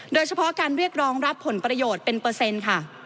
โดยเฉพาะการเรียกรองรับผลประโยชน์เป็นเปอร์เซ็นต์ค่ะ